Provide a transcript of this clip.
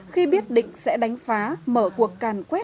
khi biết định sẽ đánh phá mở cuộc cảnh